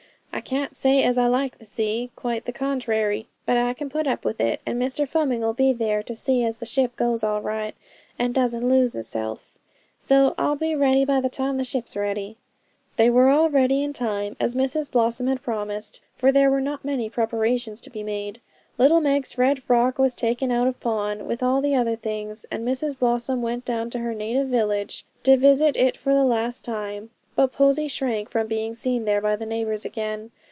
I can't say as I like the sea, quite the contrairy; but I can put up with it; and Mr Fleming'll be there to see as the ship goes all right, and doesn't lose hisself. So I'll be ready by the time the ship's ready.' They were all ready in time as Mrs Blossom had promised, for there were not many preparations to be made. Little Meg's red frock was taken out of pawn, with all the other things, and Mrs Blossom went down to her native village to visit it for the last time; but Posy shrank from being seen there by the neighbours again.